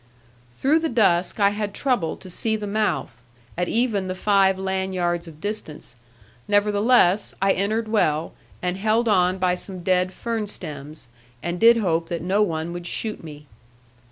Through the dusk I had trouble to see the mouth, at even the five land yards of distance; nevertheless, I entered well, and held on by some dead fern stems, and did hope that no one would shoot me.